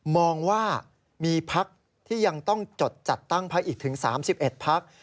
มองว่ามีพักที่ยังต้องจดจัดตั้งพักอีกถึง๓๑พัก